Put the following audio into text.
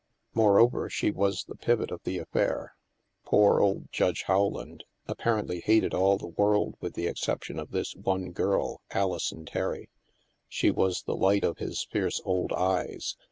Moreover, she was the pivot of the affair. Poor old Judge Howland apparently hated all the world with the exception of this one girl, Alison Terry. •She was the light of his fierce old eyes.